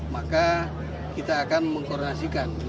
maka kita akan mengkoordinasikan